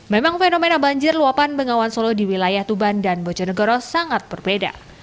memang fenomena banjir luapan bengawan solo di wilayah tuban dan bojonegoro sangat berbeda